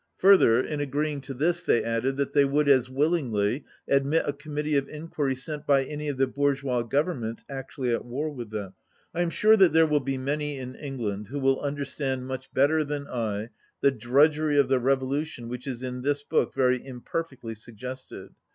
Further, in agreeing to this, they added that they would as willingly admit a committee of enquiry sent by any of the "bourgeois" governments actually at war with them. I am sure that there will be many in England who will understand much better than I the drudg ery of the revolution which is in this book very imperfectly suggested.